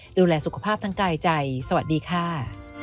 ดูแลสุขภาพทั้งกายใจสวัสดีค่ะ